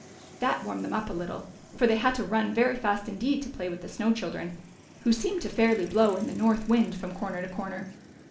That Avarmed them up a little, for they had to run A^ery fast indeed to play with the Snow Children Avho seemed to fairly bloAV in the north wind from corner to corner.